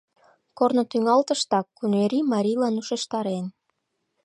Корно тӱҥалтыштак куньырий марийлан ушештарен: